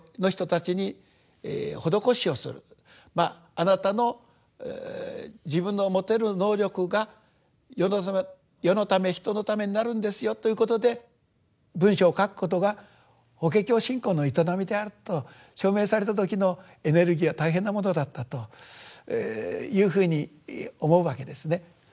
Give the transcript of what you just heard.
あなたの自分の持てる能力が世のため人のためになるんですよということで文章を書くことが法華経信仰の営みであると証明された時のエネルギーは大変なものだったというふうに思うわけですね。